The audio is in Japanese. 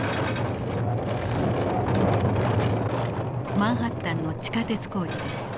マンハッタンの地下鉄工事です。